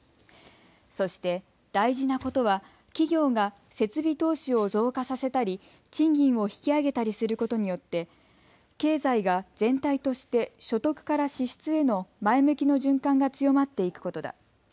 そして大事なことは企業が設備投資を増加させたり賃金を引き上げたりすることによって経済が全体として所得から支出への前向きの循環が強まっていくことだ。